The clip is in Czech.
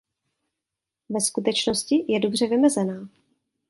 Ve skutečnosti je dobře vymezená.